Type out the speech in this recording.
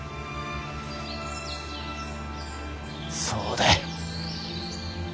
そうだい。